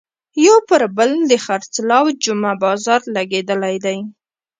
یو پر بل د خرڅلاو جمعه بازار لګېدلی دی.